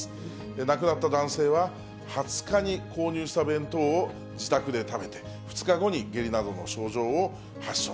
亡くなった男性は、２０日に購入した弁当を自宅で食べて、２日後に下痢などの症状を発症。